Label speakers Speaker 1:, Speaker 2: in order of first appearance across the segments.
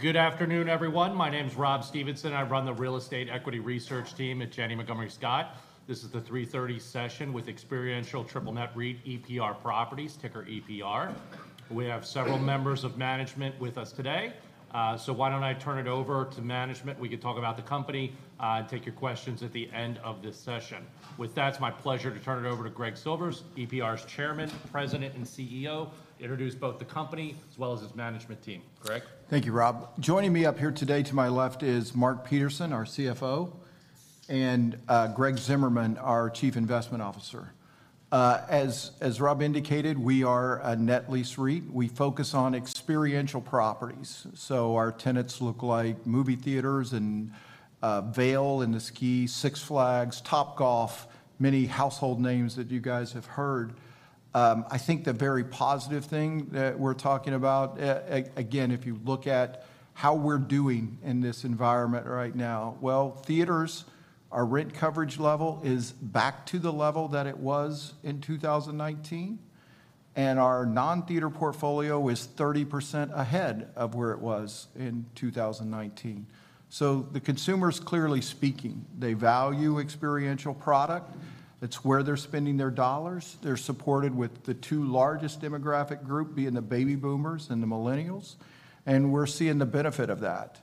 Speaker 1: Good afternoon, everyone. My name's Rob Stevenson. I run the real estate equity research team at Janney Montgomery Scott. This is the 3:30 P.M. session with experiential triple net REIT, EPR Properties, ticker EPR. We have several members of management with us today. So why don't I turn it over to management? We can talk about the company, and take your questions at the end of this session. With that, it's my pleasure to turn it over to Greg Silvers, EPR's Chairman, President, and CEO, introduce both the company as well as his management team. Greg?
Speaker 2: Thank you, Rob. Joining me up here today to my left is Mark Peterson, our CFO, and Greg Zimmerman, our Chief Investment Officer. As Rob indicated, we are a net lease REIT. We focus on experiential properties, so our tenants look like movie theaters and Vail in the ski, Six Flags, Topgolf, many household names that you guys have heard. I think the very positive thing that we're talking about, again, if you look at how we're doing in this environment right now, well, theaters, our rent coverage level is back to the level that it was in 2019, and our non-theater portfolio is 30% ahead of where it was in 2019. So the consumer's clearly speaking. They value experiential product. It's where they're spending their dollars. They're supported with the two largest demographic group, being the Baby Boomers and the Millennials, and we're seeing the benefit of that.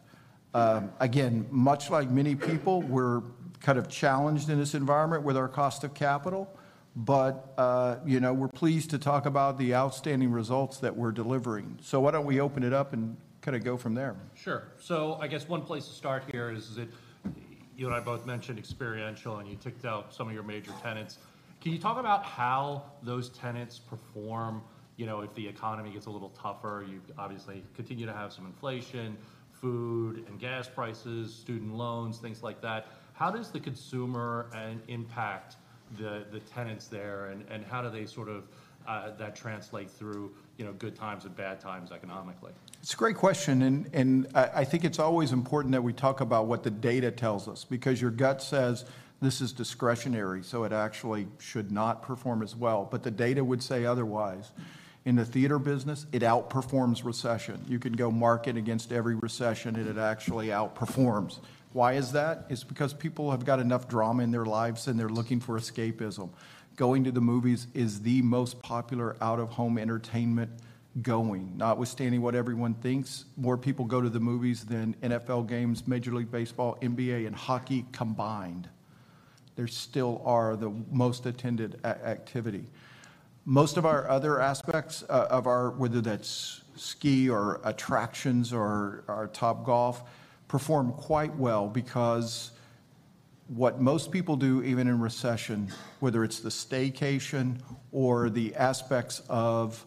Speaker 2: Again, much like many people, we're kind of challenged in this environment with our cost of capital, but, you know, we're pleased to talk about the outstanding results that we're delivering. So why don't we open it up and kind of go from there?
Speaker 1: Sure. So I guess one place to start here is that you and I both mentioned experiential, and you ticked out some of your major tenants. Can you talk about how those tenants perform, you know, if the economy gets a little tougher? You obviously continue to have some inflation, food and gas prices, student loans, things like that. How does the consumer impact the tenants there, and how do they sort of that translate through, you know, good times and bad times economically?
Speaker 2: It's a great question, and, and I, I think it's always important that we talk about what the data tells us, because your gut says this is discretionary, so it actually should not perform as well, but the data would say otherwise. In the theater business, it outperforms recession. You can go mark it against every recession, and it actually outperforms. Why is that? It's because people have got enough drama in their lives, and they're looking for escapism. Going to the movies is the most popular out-of-home entertainment going. Notwithstanding what everyone thinks, more people go to the movies than NFL games, Major League Baseball, NBA, and hockey combined. They still are the most attended a- activity. Most of our other aspects of, of our. Whether that's ski or attractions or our Topgolf, perform quite well because what most people do, even in recession, whether it's the staycation or the aspects of,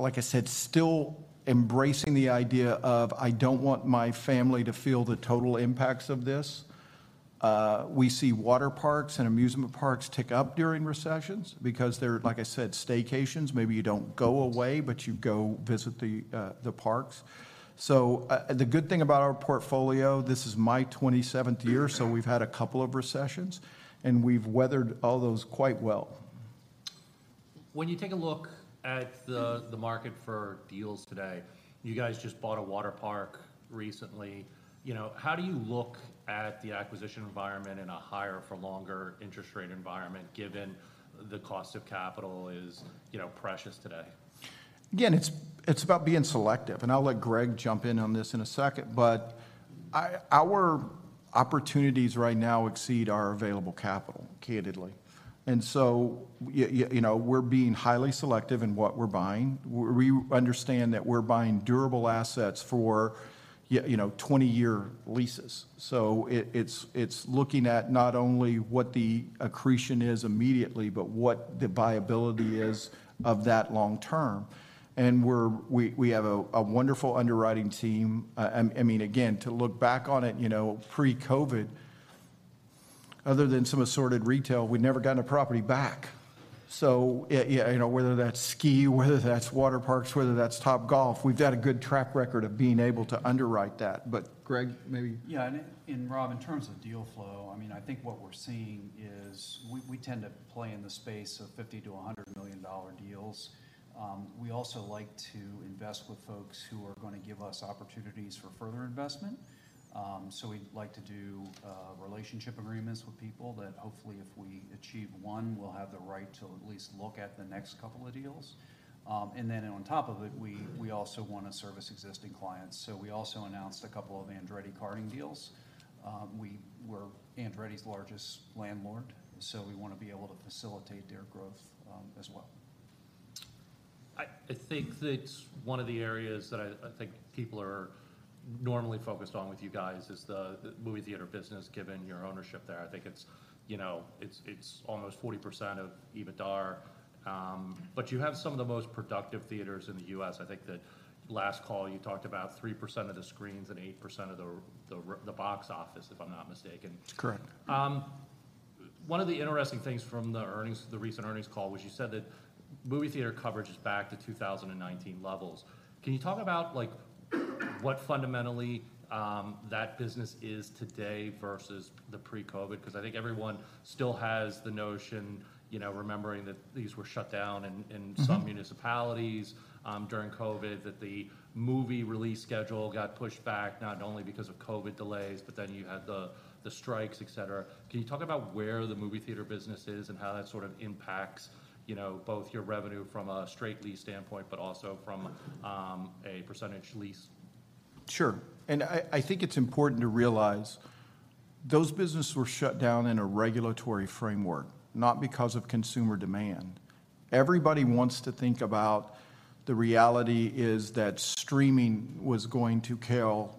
Speaker 2: like I said, still embracing the idea of, "I don't want my family to feel the total impacts of this," we see water parks and amusement parks tick up during recessions because they're, like I said, staycations. Maybe you don't go away, but you go visit the, the parks. So, the good thing about our portfolio, this is my 27th year, so we've had a couple of recessions, and we've weathered all those quite well.
Speaker 1: When you take a look at the market for deals today, you guys just bought a water park recently. You know, how do you look at the acquisition environment in a higher-for-longer interest rate environment, given the cost of capital is, you know, precious today?
Speaker 2: Again, it's about being selective, and I'll let Greg jump in on this in a second. But our opportunities right now exceed our available capital, candidly, and so you know, we're being highly selective in what we're buying. We understand that we're buying durable assets for you know, 20-year leases. So it's looking at not only what the accretion is immediately, but what the viability is of that long term. And we're, we have a wonderful underwriting team. I mean, again, to look back on it, you know, pre-COVID, other than some assorted retail, we'd never gotten a property back. So yeah, you know, whether that's ski, whether that's water parks, whether that's Topgolf, we've got a good track record of being able to underwrite that. But Greg, maybe.
Speaker 3: Yeah, and Rob, in terms of deal flow, I mean, I think what we're seeing is we tend to play in the space of $50 million-$100 million deals. We also like to invest with folks who are gonna give us opportunities for further investment. So we like to do relationship agreements with people that hopefully if we achieve one, we'll have the right to at least look at the next couple of deals. And then on top of it, we also want to service existing clients, so we also announced a couple of Andretti Karting deals. We're Andretti's largest landlord, so we want to be able to facilitate their growth, as well.
Speaker 1: I think that one of the areas that I think people are normally focused on with you guys is the movie theater business, given your ownership there. I think it's, you know, it's almost 40% of EBITDA. But you have some of the most productive theaters in the US. I think the last call, you talked about 3% of the screens and 8% of the box office, if I'm not mistaken.
Speaker 2: Correct.
Speaker 1: One of the interesting things from the earnings, the recent earnings call, was you said that movie theater coverage is back to 2019 levels. Can you talk about, like, what fundamentally that business is today versus the pre-COVID? Because I think everyone still has the notion, you know, remembering that these were shut down in, in.
Speaker 2: Mm-hmm.
Speaker 1: Some municipalities during COVID. That the movie release schedule got pushed back, not only because of COVID delays, but then you had the strikes, et cetera. Can you talk about where the movie theater business is, and how that sort of impacts, you know, both your revenue from a straight lease standpoint, but also from a percentage lease?
Speaker 2: Sure. And I think it's important to realize those businesses were shut down in a regulatory framework, not because of consumer demand. Everybody wants to think about the reality is that streaming was going to kill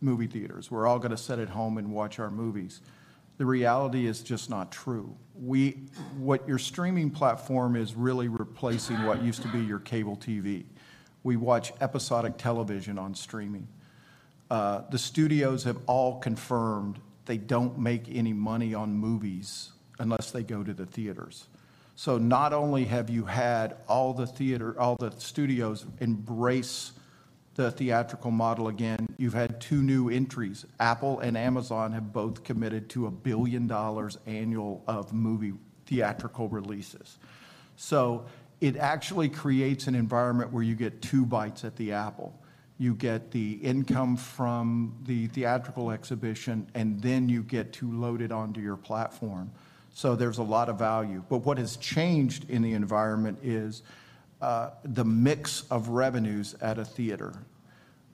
Speaker 2: movie theaters. We're all gonna sit at home and watch our movies. The reality is just not true. What your streaming platform is really replacing what used to be your cable TV. We watch episodic television on streaming. The studios have all confirmed they don't make any money on movies unless they go to the theaters. So not only have you had all the theater, all the studios embrace the theatrical model again, you've had two new entries. Apple and Amazon have both committed to $1 billion annual of movie theatrical releases. So it actually creates an environment where you get two bites at the apple. You get the income from the theatrical exhibition, and then you get to load it onto your platform. So there's a lot of value. But what has changed in the environment is the mix of revenues at a theater.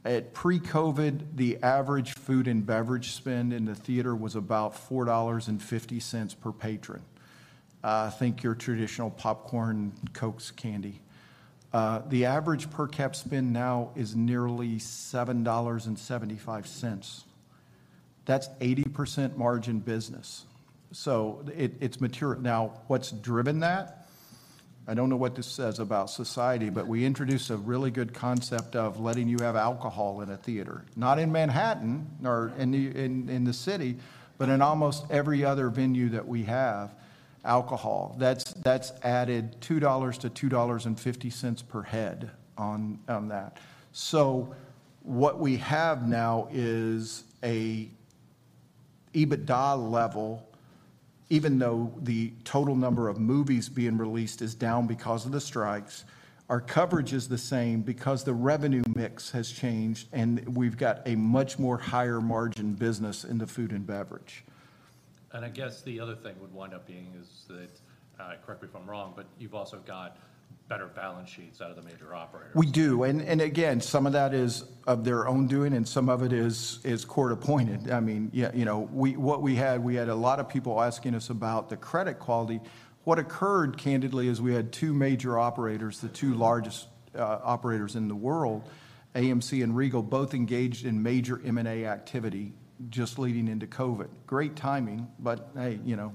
Speaker 2: At pre-COVID, the average food and beverage spend in the theater was about $4.50 per patron. Think your traditional popcorn, Cokes, candy. The average per-cap spend now is nearly $7.75. That's 80% margin business, so it's mature. Now, what's driven that? I don't know what this says about society, but we introduced a really good concept of letting you have alcohol in a theater. Not in Manhattan or in the city, but in almost every other venue that we have, alcohol. That's, that's added $2-$2.50 per head on, on that. So what we have now is a EBITDA level. Even though the total number of movies being released is down because of the strikes, our coverage is the same because the revenue mix has changed, and we've got a much more higher margin business in the food and beverage.
Speaker 1: I guess the other thing would wind up being is that, correct me if I'm wrong, but you've also got better balance sheets out of the major operators.
Speaker 2: We do. And again, some of that is of their own doing, and some of it is court-appointed. I mean, yeah, you know, we had a lot of people asking us about the credit quality. What occurred, candidly, is we had two major operators, the two largest operators in the world, AMC and Regal, both engaged in major M&A activity just leading into COVID. Great timing, but hey, you know,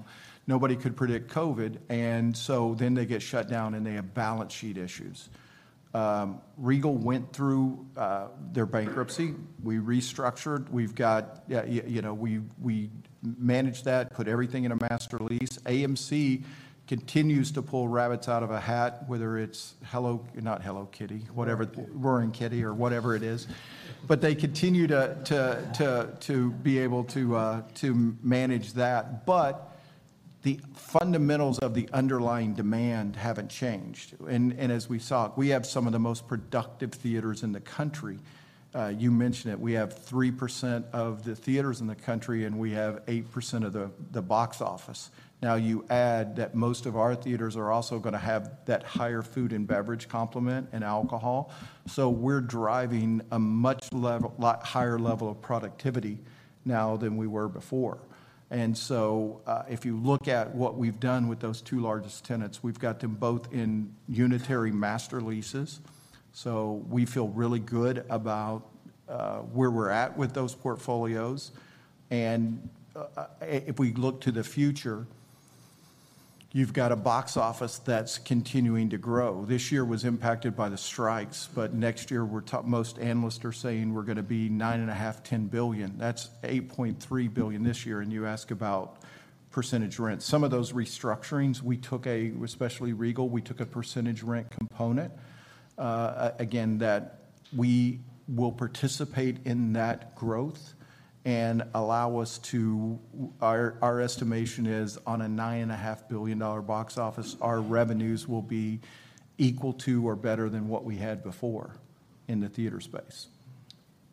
Speaker 2: nobody could predict COVID. And so then they get shut down, and they have balance sheet issues. Regal went through their bankruptcy. We restructured. We've got. Yeah, you know, we managed that, put everything in a master lease. AMC continues to pull rabbits out of a hat, whether it's Hello-- not Hello Kitty, whatever. Roaring Kitty or whatever it is. But they continue to be able to manage that. But the fundamentals of the underlying demand haven't changed. And as we saw, we have some of the most productive theaters in the country. You mentioned it, we have 3% of the theaters in the country, and we have 8% of the box office. Now, you add that most of our theaters are also gonna have that higher food and beverage complement and alcohol. So we're driving a much higher level of productivity now than we were before. And so, if you look at what we've done with those two largest tenants, we've got them both in unitary master leases. So we feel really good about where we're at with those portfolios. And, if we look to the future, you've got a box office that's continuing to grow. This year was impacted by the strikes, but next year, Most analysts are saying we're gonna be $9.5 billion-$10 billion. That's $8.3 billion this year, and you ask about percentage rent. Some of those restructurings, we took a, especially Regal, we took a percentage rent component. Again, that we will participate in that growth and allow us to, our estimation is on a $9.5 billion-dollar box office, our revenues will be equal to or better than what we had before in the theater space.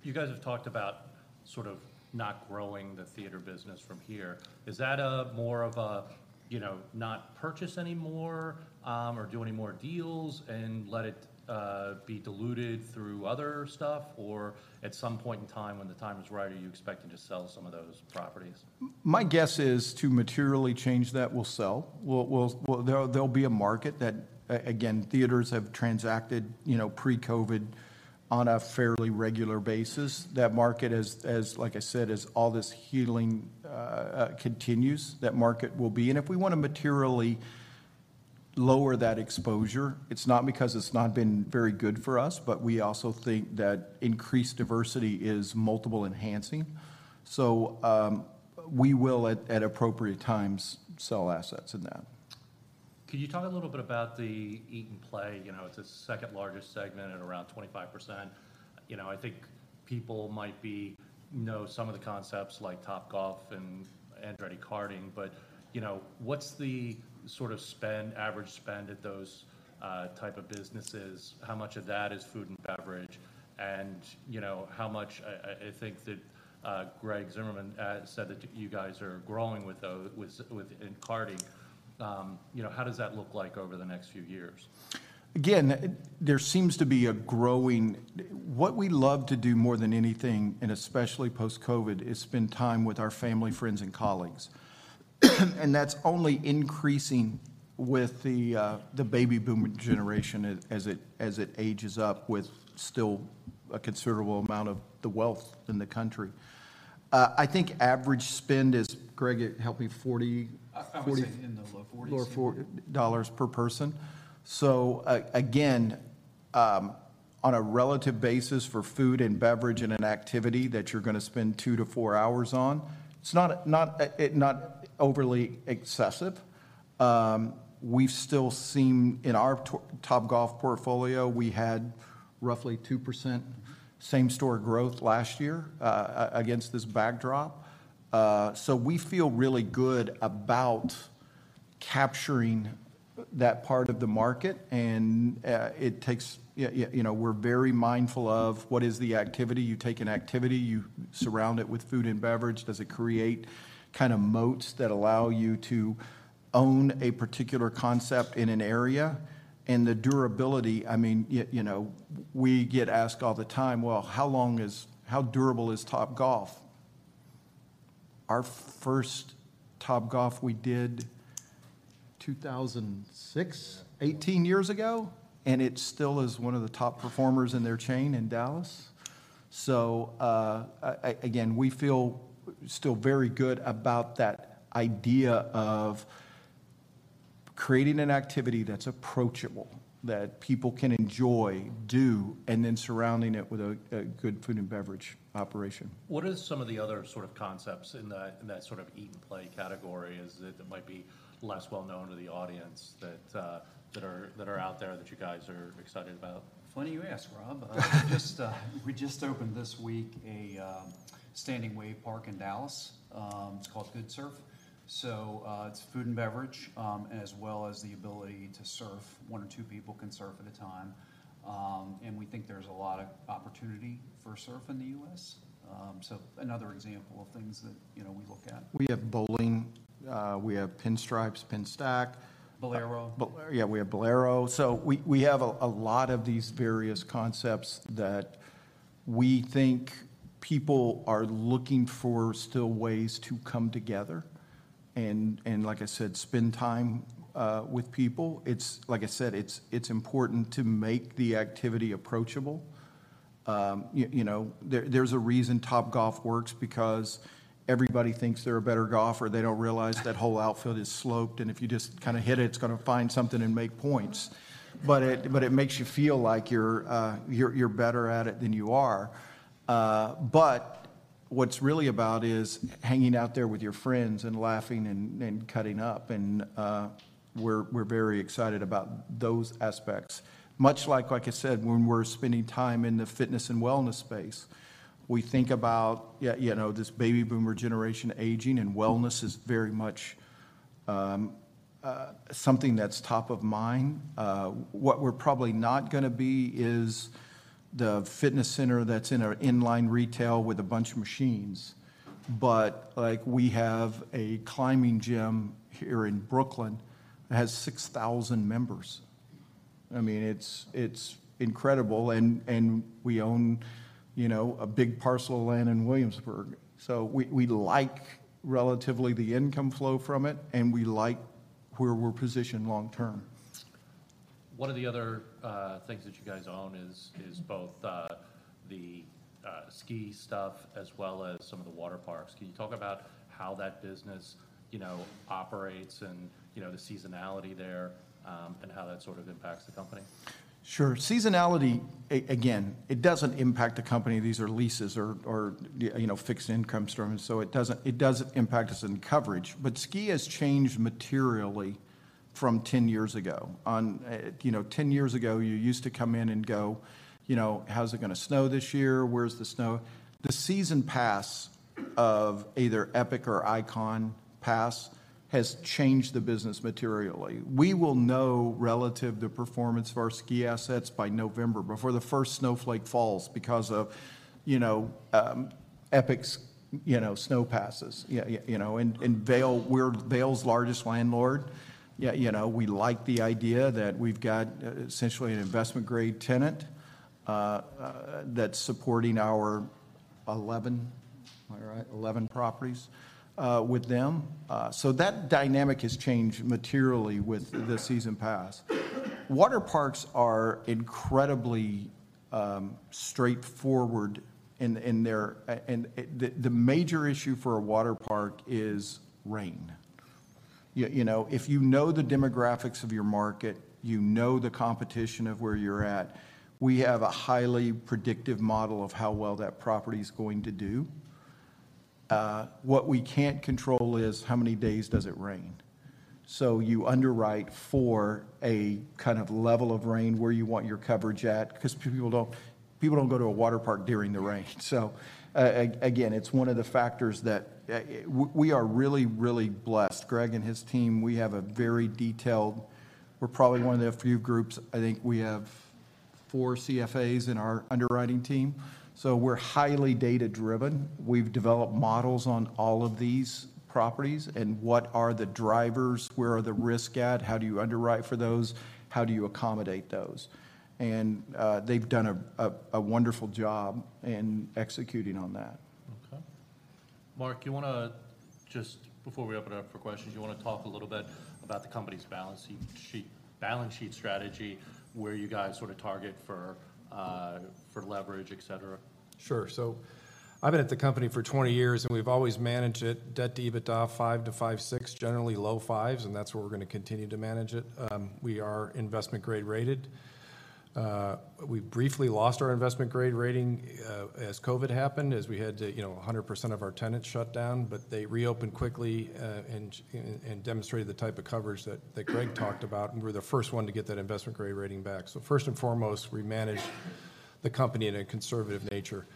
Speaker 1: You guys have talked about sort of not growing the theater business from here. Is that more of a, you know, not purchase anymore, or do any more deals and let it be diluted through other stuff? Or at some point in time, when the time is right, are you expecting to sell some of those properties?
Speaker 2: My guess is to materially change that, we'll sell. We'll—there'll be a market that, again, theaters have transacted, you know, pre-COVID on a fairly regular basis. That market, as, like I said, as all this healing continues, that market will be. And if we want to materially lower that exposure. It's not because it's not been very good for us, but we also think that increased diversity is multiple enhancing. So, we will at appropriate times sell assets in that.
Speaker 1: Can you talk a little bit about the Eat & Play? You know, it's the second largest segment at around 25%. You know, I think people might know some of the concepts, like Topgolf and Andretti Karting, but, you know, what's the sort of spend, average spend at those type of businesses? How much of that is food and beverage? And, you know, how much, I think that Greg Zimmerman said that you guys are growing within karting. You know, how does that look like over the next few years?
Speaker 2: Again, there seems to be a growing. What we love to do more than anything, and especially post-COVID, is spend time with our family, friends, and colleagues. And that's only increasing with the Baby Boomer generation as it ages up, with still a considerable amount of the wealth in the country. I think average spend is, Greg, help me, $40.
Speaker 3: I would say in the low $40s.
Speaker 2: Low $40 per person. So again, on a relative basis for food and beverage and an activity that you're gonna spend 2-4 hours on, it's not, not, not overly excessive. We've still seen in our Topgolf portfolio, we had roughly 2% same store growth last year, against this backdrop. So we feel really good about capturing that part of the market, and it takes, you know, we're very mindful of what is the activity. You take an activity, you surround it with food and beverage. Does it create kind of moats that allow you to own a particular concept in an area? And the durability, I mean, you know, we get asked all the time, "Well, how long is-how durable is Topgolf?" Our first Topgolf, we did 2006? 18 years ago, and it still is one of the top performers in their chain in Dallas. So, again, we feel still very good about that idea of creating an activity that's approachable, that people can enjoy, do, and then surrounding it with a good food and beverage operation.
Speaker 1: What are some of the other sort of concepts in that, in that sort of eat and play category that might be less well known to the audience, that are out there, that you guys are excited about?
Speaker 3: Funny you ask, Rob. Just, we just opened this week, a standing wave park in Dallas. It's called Goodsurf. So, it's food and beverage, as well as the ability to surf. One or two people can surf at a time. And we think there's a lot of opportunity for surf in the U.S. So another example of things that, you know, we look at.
Speaker 2: We have bowling, we have Pinstripes, PINSTACK.
Speaker 3: Bowlero.
Speaker 2: Bowlero. Yeah, we have Bowlero. So we have a lot of these various concepts that we think people are looking for, still, ways to come together and like I said, spend time with people. It's like I said, it's important to make the activity approachable. You know, there's a reason Topgolf works, because everybody thinks they're a better golfer. They don't realize that whole outfit is sloped, and if you just kinda hit it, it's gonna find something and make points. But it makes you feel like you're better at it than you are. But what it's really about is hanging out there with your friends and laughing and cutting up, and we're very excited about those aspects. Much like, like I said, when we're spending time in the fitness and wellness space, we think about you know, this Baby Boomer generation aging, and wellness is very much, something that's top of mind. What we're probably not gonna be is the fitness center that's in an inline retail with a bunch of machines. But, like, we have a climbing gym here in Brooklyn, that has 6,000 members. I mean, it's, it's incredible, and, and we own, you know, a big parcel of land in Williamsburg. So we, we like, relatively, the income flow from it, and we like where we're positioned long term.
Speaker 1: One of the other things that you guys own is both the ski stuff as well as some of the water parks. Can you talk about how that business, you know, operates and, you know, the seasonality there, and how that sort of impacts the company?
Speaker 2: Sure. Seasonality, again, it doesn't impact the company. These are leases or you know, fixed income stream, and so it doesn't impact us in coverage. But ski has changed materially from 10 years ago. You know, 10 years ago, you used to come in and go, "You know, how's it gonna snow this year? Where's the snow?" The season pass of either Epic or Ikon Pass has changed the business materially. We will know, relative to performance of our ski assets, by November, before the first snowflake falls, because of you know, Epic's snow passes. You know, and Vail, we're Vail's largest landlord. You know, we like the idea that we've got essentially an investment-grade tenant that's supporting our 11, am I right? 11 properties with them. So that dynamic has changed materially with the season pass. Water parks are incredibly straightforward in their, and the major issue for a water park is rain. You know, if you know the demographics of your market, you know the competition of where you're at, we have a highly predictive model of how well that property's going to do. What we can't control is, how many days does it rain? So you underwrite for a kind of level of rain, where you want your coverage at, 'cause people don't go to a water park during the rain. So, again, it's one of the factors that, we are really, really blessed. Greg, and his team, we have a very detailed. We're probably one of the few groups. I think we have four CFAs in our underwriting team, so we're highly data-driven. We've developed models on all of these properties and what are the drivers, where are the risk at, how do you underwrite for those, how do you accommodate those? And they've done a wonderful job in executing on that.
Speaker 1: Okay. Mark, you wanna just before we open it up for questions, you wanna talk a little bit about the company's balance sheet, balance sheet strategy, where you guys sort of target for, for leverage, et cetera?
Speaker 4: Sure. So I've been at the company for 20 years, and we've always managed it, debt to EBITDA, 5-5/6, generally low 5s, and that's where we're gonna continue to manage it. We are investment-grade rated. We briefly lost our investment-grade rating as COVID happened, as we had to, you know, 100% of our tenants shut down, but they reopened quickly, and demonstrated the type of coverage that Greg talked about, and we're the first one to get that investment-grade rating back. So first and foremost, we managed the company in a conservative nature.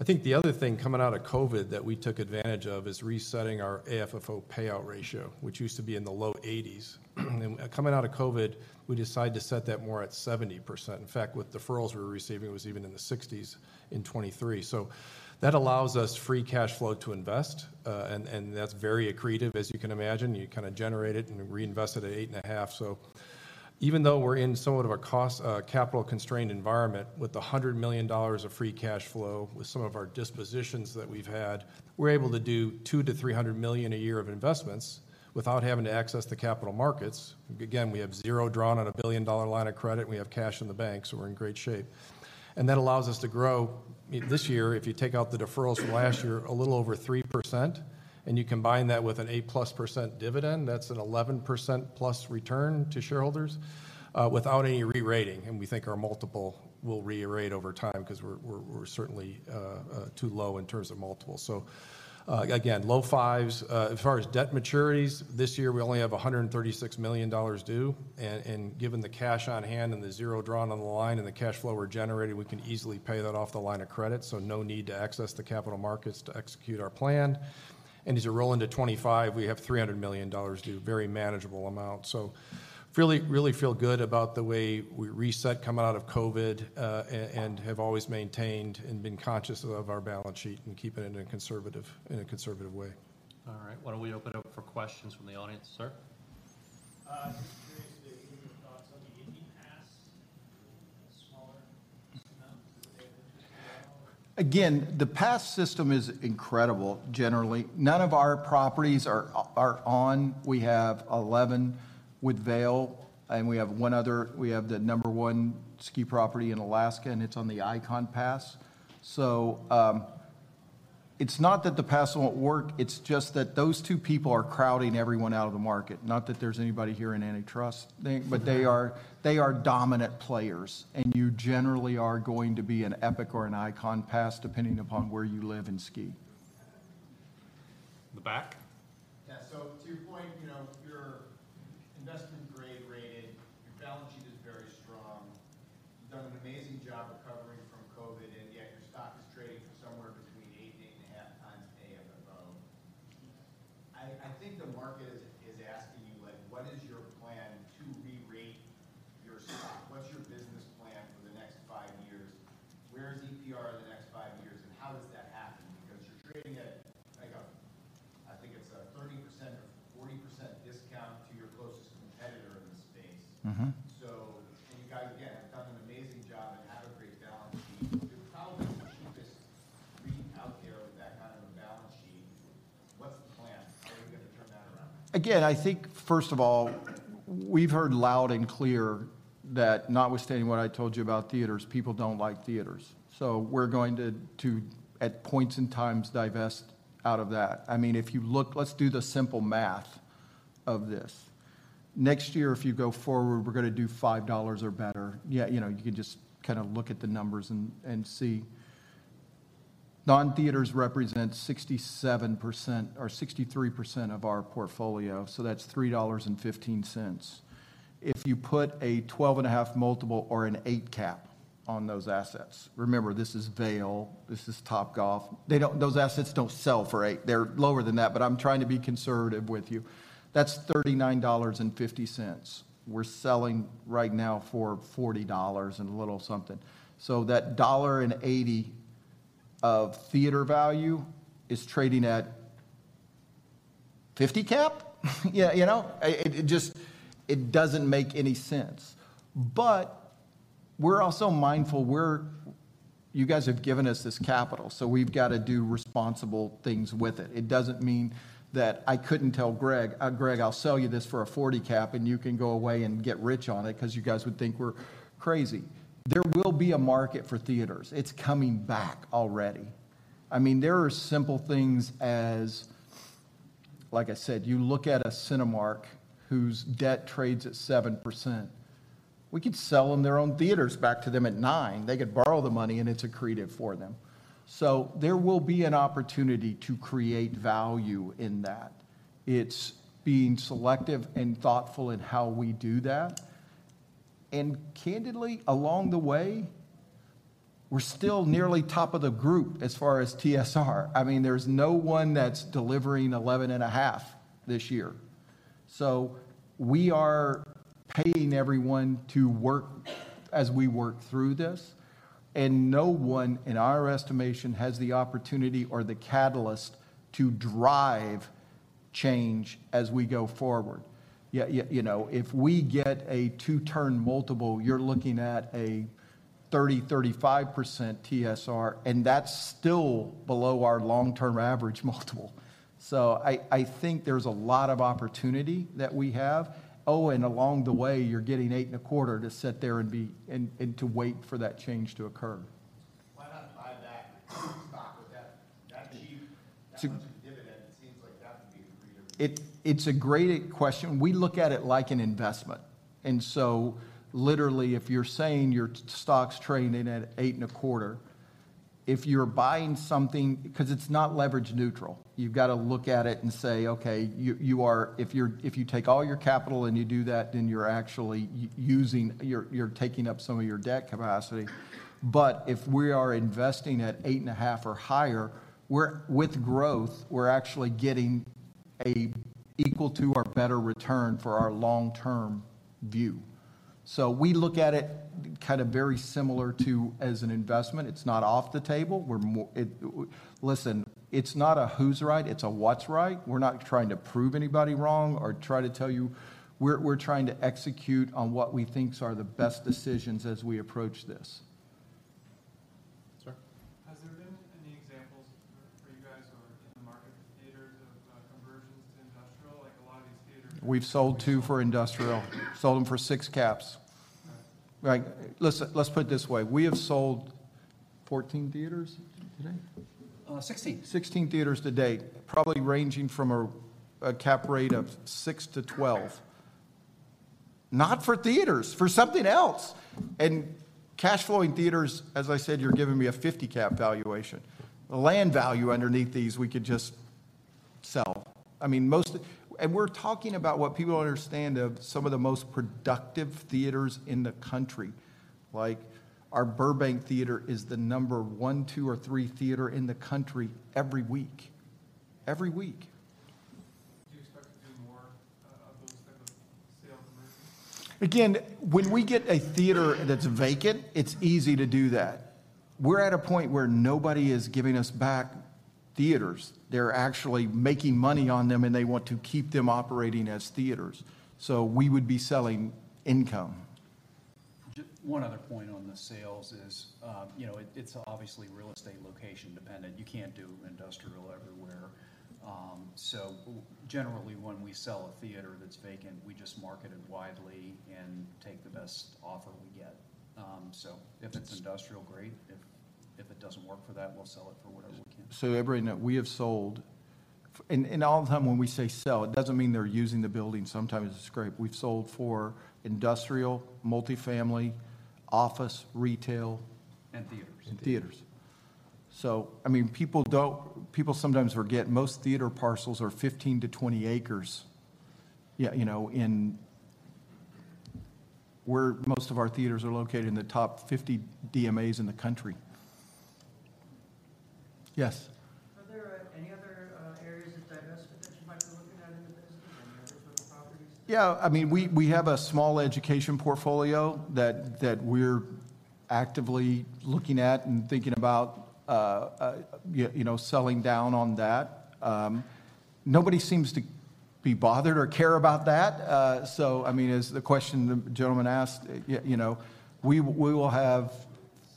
Speaker 4: I think the other thing coming out of COVID that we took advantage of is resetting our AFFO payout ratio, which used to be in the low 80s. And coming out of COVID, we decided to set that more at 70%. In fact, with deferrals we were receiving, it was even in the 60s in 2023. So that allows us free cash flow to invest, and that's very accretive, as you can imagine. You kinda generate it and reinvest it at 8.5. So even though we're in somewhat of a cost, a capital-constrained environment, with $100 million of free cash flow, with some of our dispositions that we've had, we're able to do $200 million-$300 million a year of investments without having to access the capital markets. Again, we have zero drawn on a $1 billion line of credit, and we have cash in the bank, so we're in great shape. And that allows us to grow. This year, if you take out the deferrals from last year, a little over 3%, and you combine that with an +8% dividend, that's an +11% return to shareholders without any re-rating. And we think our multiple will re-rate over time 'cause we're certainly too low in terms of multiples. So, again, low fives. As far as debt maturities, this year, we only have $136 million due. And given the cash on hand and the zero drawn on the line and the cash flow we're generating, we can easily pay that off the line of credit, so no need to access the capital markets to execute our plan. And as you roll into 2025, we have $300 million due, very manageable amount. So really, really feel good about the way we reset coming out of COVID, and have always maintained and been conscious of our balance sheet and keeping it in a conservative, in a conservative way.
Speaker 1: All right. Why don't we open it up for questions from the audience? Sir.
Speaker 5: Just curious to hear your thoughts on the Indy Pass, the smaller.
Speaker 2: Again, the pass system is incredible, generally. None of our properties are on. We have 11 with Vail, and we have one other. We have the number one ski property in Alaska, and it's on the Ikon Pass. So, it's not that the pass won't work; it's just that those two people are crowding everyone out of the market. Not that there's anybody here in antitrust, but they are dominant players, and you generally are going to be an Epic or an Ikon Pass, depending upon where you live and ski.
Speaker 1: In the back?
Speaker 5: Yeah. So to your point,
Speaker 2: Next year, if you go forward, we're gonna do $5 or better. Yeah, you know, you can just kind of look at the numbers and see. Non-theaters represent 67% or 63% of our portfolio, so that's $3.15. If you put a 12.5 multiple or an eight cap on those assets. Remember, this is Vail, this is Topgolf. They don't. Those assets don't sell for eight. They're lower than that, but I'm trying to be conservative with you. That's $39.50. We're selling right now for $40 and a little something. So that $1.80 of theater value is trading at 50 cap? Yeah, you know, it just doesn't make any sense. But we're also mindful you guys have given us this capital, so we've got to do responsible things with it. It doesn't mean that I couldn't tell Greg, "Greg, I'll sell you this for a 40 cap, and you can go away and get rich on it," 'cause you guys would think we're crazy. There will be a market for theaters. It's coming back already. I mean, there are simple things as, like I said, you look at a Cinemark, whose debt trades at 7%. We could sell them their own theaters back to them at 9%. They could borrow the money, and it's accretive for them. So there will be an opportunity to create value in that. It's being selective and thoughtful in how we do that. And candidly, along the way, we're still nearly top of the group as far as TSR. I mean, there's no one that's delivering 11.5 this year. So we are paying everyone to work as we work through this, and no one, in our estimation, has the opportunity or the catalyst to drive change as we go forward. You know, if we get a two-turn multiple, you're looking at a 30%-35% TSR, and that's still below our long-term average multiple. So I think there's a lot of opportunity that we have. Oh, and along the way, you're getting 8.25 to sit there and to wait for that change to occur.
Speaker 5: Why not buy back stock with that, that cheap. That much of a dividend? It seems like that would be accretive.
Speaker 2: It's a great question. We look at it like an investment, and so literally, if you're saying your stock's trading at $8.25, if you're buying something... 'Cause it's not leverage neutral. You've got to look at it and say, "Okay, you are—if you take all your capital and you do that, then you're actually using—you're taking up some of your debt capacity." But if we are investing at 8.5 or higher, we're, with growth, we're actually getting a equal to or better return for our long-term view. So we look at it kind of very similar to as an investment. It's not off the table. We're more, listen, it's not a who's right, it's a what's right. We're not trying to prove anybody wrong or try to tell you. We're trying to execute on what we think are the best decisions as we approach this.
Speaker 5: Yes, sir. Has there been any examples for you guys or in the market theaters of, conversions to industrial? Like, a lot of these theaters.
Speaker 2: We've sold two for industrial. Sold them for six caps. All right. Like, listen, let's put it this way. We have sold 14 theaters to date?
Speaker 3: Uh, 16.
Speaker 2: 16 theaters to date, probably ranging from a cap rate of 6-12. Not for theaters, for something else! And cash-flowing theaters, as I said, you're giving me a 50 cap valuation. The land value underneath these, we could just sell. I mean, most of, and we're talking about what people understand of some of the most productive theaters in the country. Like, our Burbank theater is the number one, two, or three theater in the country every week. Every week.
Speaker 5: Do you expect to do more of those type of sales mix?
Speaker 2: Again, when we get a theater that's vacant, it's easy to do that. We're at a point where nobody is giving us back theaters. They're actually making money on them, and they want to keep them operating as theaters, so we would be selling income.
Speaker 3: Just one other point on the sales is, you know, it's obviously real estate location dependent. You can't do industrial everywhere. So generally, when we sell a theater that's vacant, we just market it widely and take the best offer we get. So if it's industrial, great. If it doesn't work for that, we'll sell it for whatever we can.
Speaker 2: So everybody know, we have sold, and all the time when we say sell, it doesn't mean they're using the building. Sometimes it's scrape. We've sold for industrial, multifamily, office, retail.
Speaker 3: And theaters.
Speaker 2: And theaters. So, I mean, people don't, people sometimes forget, most theater parcels are 15-20 acres, you know, in where most of our theaters are located, in the top 50 DMAs in the country. Yes?
Speaker 5: Are there any other areas of divestment that you might be looking at in the business, any other sort of properties?
Speaker 2: Yeah, I mean, we have a small education portfolio that we're actively looking at and thinking about, you know, selling down on that. Nobody seems to be bothered or care about that. So I mean, as the question the gentleman asked, you know, we will have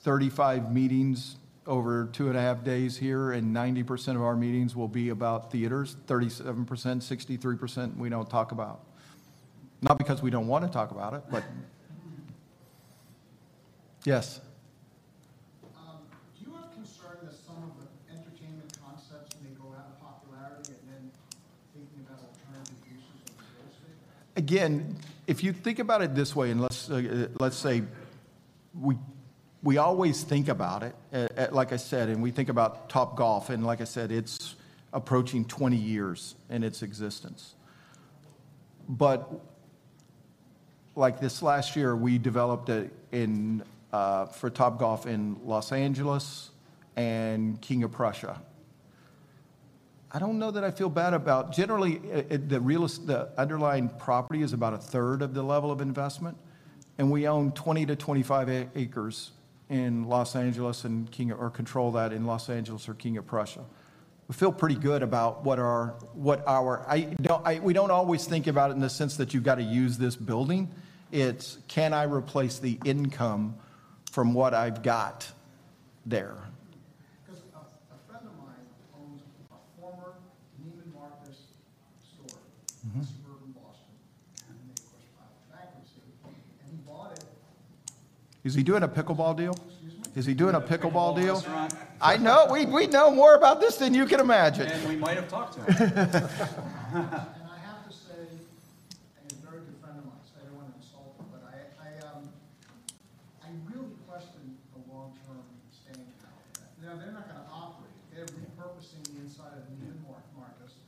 Speaker 2: 35 meetings over two and a half days here, and 90% of our meetings will be about theaters. 37%, 63% we don't talk about, not because we don't want to talk about it, but yes.
Speaker 6: Do you have concern that some of the entertainment concepts may go out of popularity, and then thinking about alternative uses of the real estate?
Speaker 2: Again, if you think about it this way, and let's say we always think about it, like I said, and we think about Topgolf, and like I said, it's approaching 20 years in its existence. But like this last year, we developed one in for Topgolf in Los Angeles and King of Prussia. I don't know that I feel bad about, generally, the underlying property is about a 1/3 of the level of investment, and we own 20-25 acres in Los Angeles and King of Prussia or control that in Los Angeles or King of Prussia. We feel pretty good about what our. We don't always think about it in the sense that you've got to use this building. It's, "Can I replace the income from what I've got there?"
Speaker 6: 'Cause a friend of mine owns a former Neiman Marcus store-
Speaker 2: Mm-hmm.
Speaker 6: In suburban Boston, and they, of course, filed for bankruptcy, and he bought it.
Speaker 2: Is he doing a pickleball deal?
Speaker 6: Excuse me?
Speaker 2: Is he doing a pickleball deal?
Speaker 3: Restaurant.
Speaker 2: I know! We'd know more about this than you can imagine.
Speaker 3: We might have talked to him.
Speaker 6: I have to say, a very good friend of mine, so I don't want to insult him, but I really question the long-term staying power of that. Now, they're not gonna operate.
Speaker 2: Yeah.
Speaker 6: They're repurposing the inside of Neiman Marcus,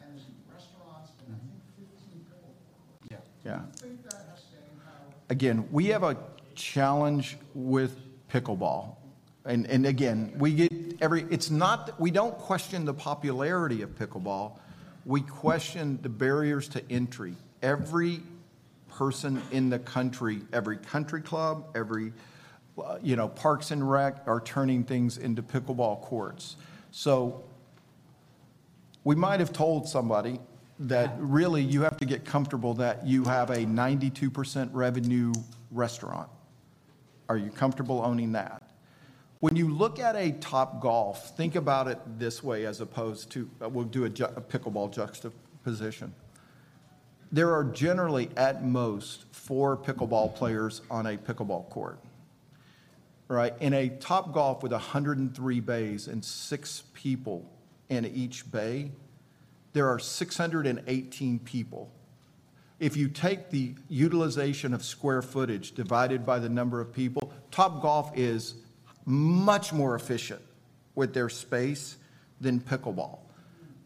Speaker 6: and there's restaurants.
Speaker 2: Mm-hmm.
Speaker 6: And I think 15 pickleball courts.
Speaker 3: Yeah.
Speaker 2: Yeah.
Speaker 6: Do you think that has staying power?
Speaker 2: Again, we have a challenge with pickleball, and again, we get every, it's not that- we don't question the popularity of pickleball. We question the barriers to entry. Every person in the country, every country club, every, you know, parks and rec, are turning things into pickleball courts. So we might have told somebody that.
Speaker 6: Yeah.
Speaker 2: Really, you have to get comfortable that you have a 92% revenue restaurant. Are you comfortable owning that? When you look at a Topgolf, think about it this way, as opposed to, we'll do a pickleball juxtaposition. There are generally, at most, four pickleball players on a pickleball court, right? In a Topgolf with 103 bays and six people in each bay, there are 618 people. If you take the utilization of square footage divided by the number of people, Topgolf is much more efficient with their space than pickleball,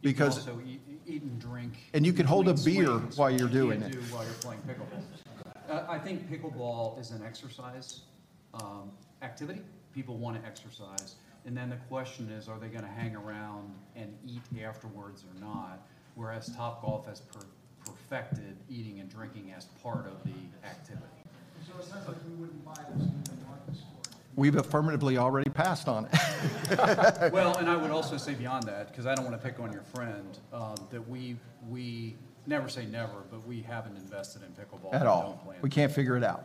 Speaker 2: because-
Speaker 3: You can also eat and drink.
Speaker 2: You can hold a beer while you're doing it.
Speaker 3: Which you can't do while you're playing pickleball. I think pickleball is an exercise, activity. People want to exercise, and then the question is, are they gonna hang around and eat afterwards or not? Whereas Topgolf has perfected eating and drinking as part of the activity.
Speaker 6: So it sounds like we wouldn't buy the Neiman Marcus store.
Speaker 2: We've affirmatively already passed on it.
Speaker 3: Well, I would also say beyond that, 'cause I don't want to pick on your friend, that we've, we never say never, but we haven't invested in pickleball.
Speaker 2: At all.
Speaker 3: And don't plan to.
Speaker 2: We can't figure it out.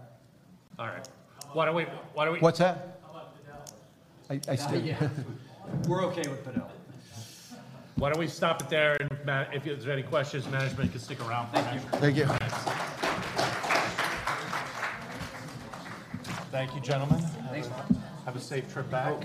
Speaker 1: All right. Why don't we.
Speaker 2: What's that?
Speaker 6: How about Fidelis?
Speaker 2: I still.
Speaker 3: Yeah. We're okay with Fidelis.
Speaker 1: Why don't we stop it there, and if there's any questions, management can stick around for that.
Speaker 3: Thank you.
Speaker 2: Thank you.
Speaker 1: Thank you, gentlemen.
Speaker 3: Thanks.
Speaker 1: Have a safe trip back.